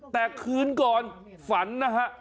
แต่คืนก่อนฝันนะฮะ